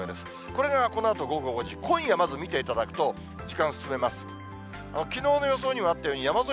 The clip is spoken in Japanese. これがこのあと午後５時、今夜まず見ていただくと、時間進めます。